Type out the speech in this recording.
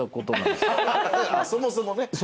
そもそもね。